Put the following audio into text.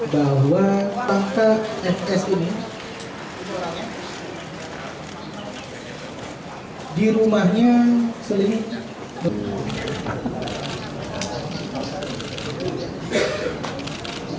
bahwa tangga fs ini di rumahnya selingkuh